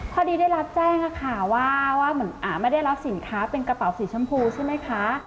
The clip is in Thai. พอดีได้รับแจ้งค่ะว่าเหมือนไม่ได้รับสินค้าเป็นกระเป๋าสีชมพูใช่ไหมคะ